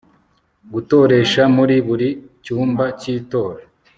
gutoresha muri buri cyumba cy itora